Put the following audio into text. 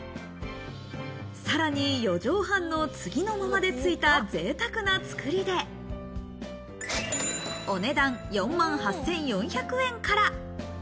さらに四畳半の次の間までついた贅沢な作りで、お値段４万８４００円から。